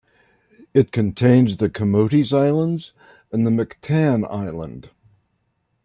It contains the Camotes Islands and Mactan Island.